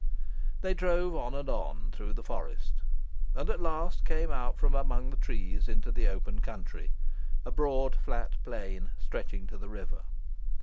They drove on and on through the forest, and at last came out from among the trees into the open country, a broad, flat plain stretching to the river.